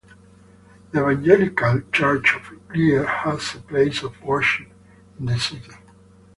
The Evangelical Church of Gier has a place of worship in the city.